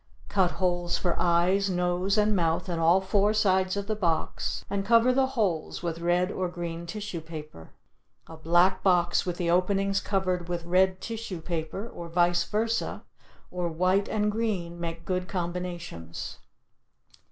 Cut holes for eyes, nose and mouth in all four sides of the box and cover the holes with red or green tissue paper. A black box with the openings covered with red tissue paper or vice versa or white and green make good combinations.